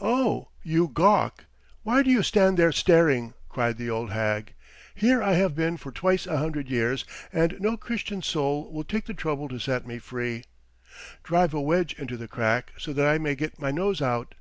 "Oh, you gawk! Why do you stand there staring?" cried the old hag. "Here I have been for twice a hundred years, and no Christian soul will take the trouble to set me free. Drive a wedge into the crack so that I may get my nose out."